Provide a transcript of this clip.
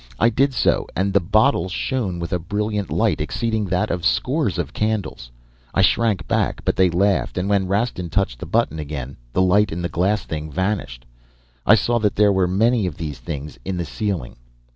I did so and the bottle shone with a brilliant light exceeding that of scores of candles. I shrank back, but they laughed, and when Rastin touched the button again, the light in the glass thing vanished. I saw that there were many of these things in the ceiling.